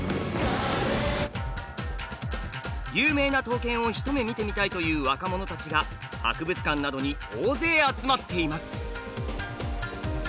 有名な刀剣を一目見てみたいという若者たちが博物館などに大勢集まっています。